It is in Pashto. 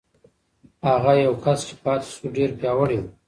هغه یو کس چې پاتې شو، ډېر پیاوړی و.